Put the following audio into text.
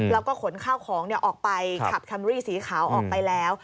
แล้วก็ขนข้าวของออกไปขับคัมรี่สีขาวออกไปแล้ว